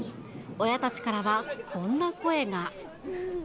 親たちからはこんな声が。